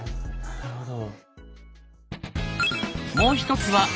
なるほど。